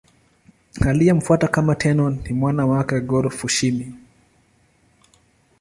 Aliyemfuata kama Tenno ni mwana wake Go-Fushimi.